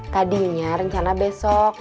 tadinya rencana besok